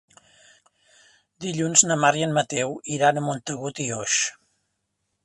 Dilluns na Mar i en Mateu iran a Montagut i Oix.